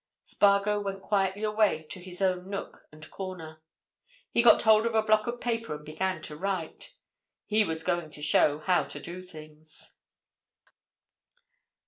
Spargo went quietly away to his own nook and corner. He got hold of a block of paper and began to write. He was going to show how to do things.